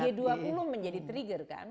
ya dan g dua puluh menjadi trigger kan